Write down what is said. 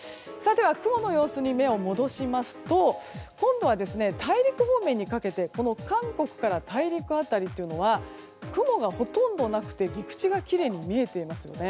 雲の様子に目を戻しますと今度は、大陸方面にかけて韓国から大陸辺りというのは雲が、ほとんどなくて陸地がきれいに見えていますね。